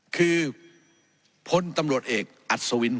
คือพลตำรวจเอกอัศวิน